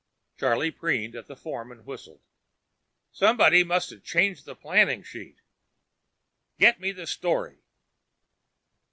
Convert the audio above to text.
Charlie peered at the form and whistled. "Somebody must have changed the planning sheet." "Get me the story!"